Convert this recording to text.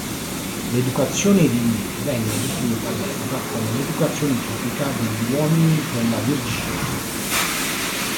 L'educazione di Lee venne definita all'epoca come "l'educazione tipica degli uomini della Virginia".